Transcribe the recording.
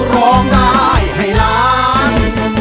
ร้องได้ให้ล้าน